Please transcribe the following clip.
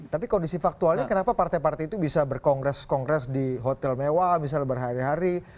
tapi kondisi faktualnya kenapa partai partai itu bisa berkongres kongres di hotel mewah misalnya berhari hari